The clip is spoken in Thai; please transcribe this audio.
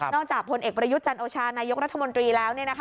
จากผลเอกประยุทธ์จันโอชานายกรัฐมนตรีแล้ว